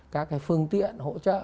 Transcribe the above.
các cái phương tiện hỗ trợ